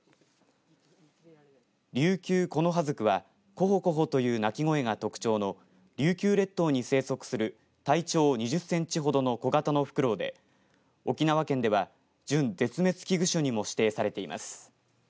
リュウキュウコノハズクはコホコホという鳴き声が特徴の琉球列島に生息する体長２０センチほどの小型のふくろうで沖縄県では準絶滅危惧種にも指定されています。